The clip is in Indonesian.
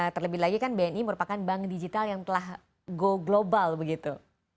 terlebih lagi kan bni merupakan bank digital yang telah go global begitu